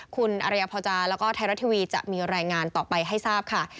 คุณอริยพจาแล้วก็ไทยรัฐทีวีจะมีรายงานต่อไปให้ทราบค่ะ